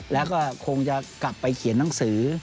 แล้วก็คงจะกลับไปเขียนหนังสือ